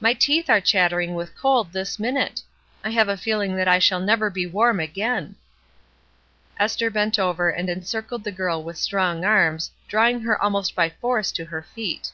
My teeth are chattering with cold, this minute ; I have a feeling that I shall never be warm again." Esther bent over and encircled the girl with strong arms, drawing her almost by force to her feet.